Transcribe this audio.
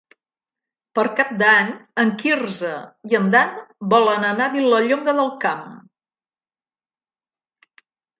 Per Cap d'Any en Quirze i en Dan volen anar a Vilallonga del Camp.